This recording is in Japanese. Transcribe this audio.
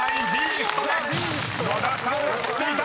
［野田さんは知っていた！］